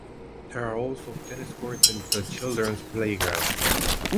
There are also tennis courts and a children's playground.